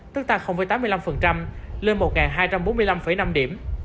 tức tăng tám mươi năm lên một hai trăm bốn mươi năm năm điểm